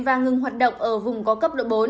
và ngừng hoạt động ở vùng có cấp độ bốn